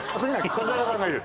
越中さんがいる。